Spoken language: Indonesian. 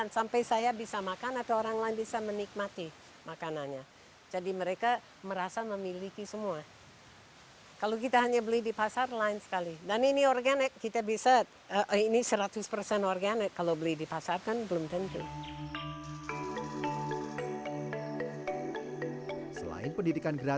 sering diajarkan juga